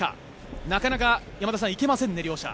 なかなか行けませんね、両者。